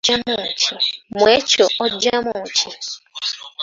Mu ekyo oggyamu ki?